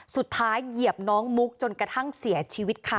เหยียบน้องมุกจนกระทั่งเสียชีวิตค่ะ